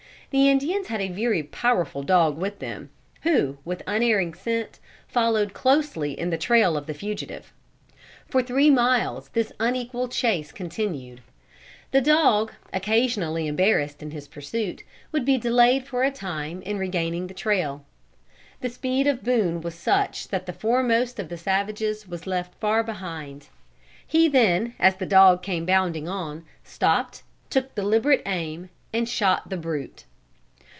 The Indians had a very powerful dog with them, who, with unerring scent, followed closely in the trail of the fugitive. For three miles this unequal chase continued. The dog, occasionally embarrassed in his pursuit, would be delayed for a time in regaining the trail. The speed of Boone was such that the foremost of the savages was left far behind. He then, as the dog came bounding on, stopped, took deliberate aim, and shot the brute.